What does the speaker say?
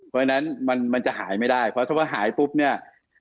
เพราะฉะนั้นมันจะหายไม่ได้เพราะถ้าว่าหายปุ๊บเนี่ย